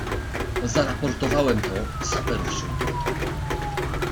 "Zaraportowałem to i saperów ściągnięto."